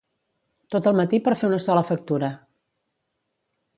Tot el matí per fer una sola factura!